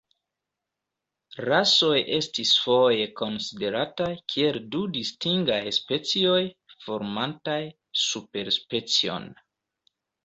Rasoj estis foje konsiderataj kiel du distingaj specioj, formantaj superspecion.